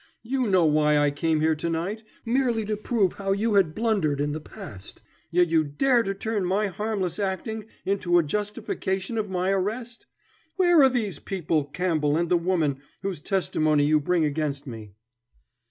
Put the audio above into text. You know why I came here to night merely to prove how you had blundered in the past yet you dare to turn my harmless acting into a justification of my arrest. Where are these people, Campbell and the woman, whose testimony you bring against me?"